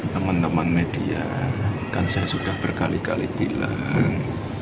teman teman media dan saya sudah berkali kali bilang